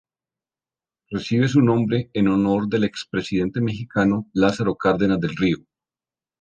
Recibe su nombre en honor del expresidente mexicano Lázaro Cárdenas del Río.